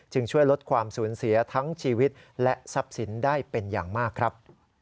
ช่วยลดความสูญเสียทั้งชีวิตและทรัพย์สินได้เป็นอย่างมากครับ